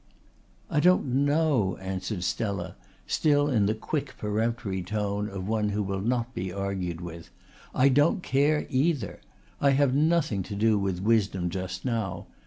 "I don't know," answered Stella, still in the quick peremptory tone of one who will not be argued with. "I don't care either. I have nothing to do with wisdom just now.